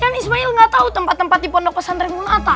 kan ismail gak tahu tempat tempat di pondok pesantren gunata